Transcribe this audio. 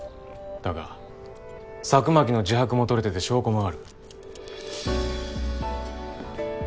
だが佐久巻の自白もとれてて証拠もある。